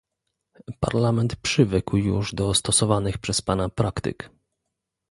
Parlament przywykł już do stosowanych przez pana praktyk